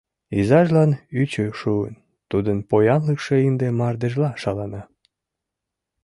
Изажлан ӱчӧ шуын, тудын поянлыкше ынде мардежла шалана.